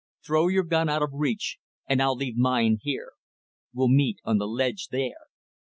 Throw your gun out of reach and I'll leave mine here. We'll meet on the ledge there."